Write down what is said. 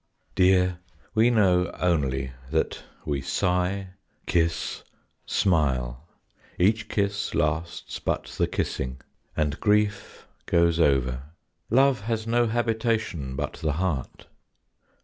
Dear, we know only that we sigh, kiss, smile; Each kiss lasts but the kissing; and grief goes over; Love has no habitation but the heart.